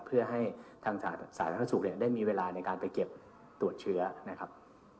เพื่อให้ทางสาธารณสุขได้มีเวลาในการไปเก็บตรวจเชื้อนะครับ